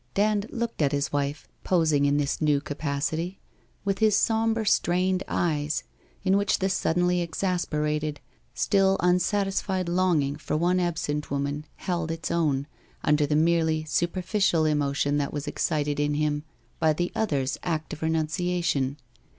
Dand looked at his wife, posing in this new capacity, with his sombre strained eyes, in which the suddenly exasperated, still unsatisfied longing for one ab sent woman held its own, under the merely superficial emotion that was excited in him by the other's act of re nunciation.